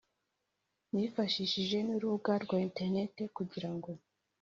nifashishije nurubuga rwa interinete kugirango